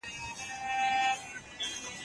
مثبت بدلون راولئ.